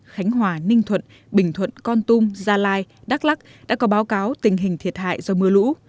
khánh hòa ninh thuận bình thuận con tum gia lai đắk lắc đã có báo cáo tình hình thiệt hại do mưa lũ